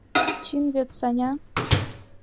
Чын вет, Саня?